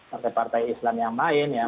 partai partai islam yang lain ya